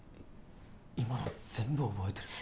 今の全部覚えてるの？